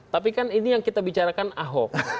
tapi kan ini yang kita bicarakan ahok